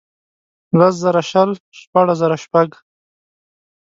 لس زره شل ، شپاړس زره شپږ.